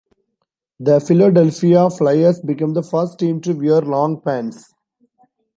The Philadelphia Flyers become the first team to wear long pants.